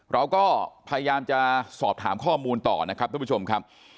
เราก็พยายามจะสอบถามข้อมูลต่อนะครับทุกผู้ชมครับ